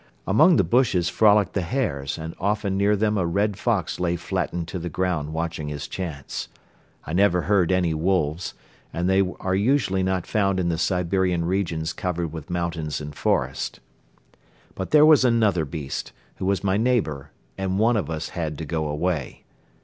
Among the bushes frolicked the hares and often near them a red fox lay flattened to the ground watching his chance. I never heard any wolves and they are usually not found in the Siberian regions covered with mountains and forest. But there was another beast, who was my neighbor, and one of us had to go away.